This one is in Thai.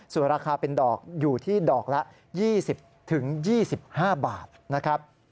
ส่วนราคาเป็นดอกอยู่ที่ดอกละ๒๐๒๕บาทนะครับ